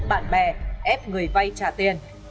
bạn bè ép người vay trả tiền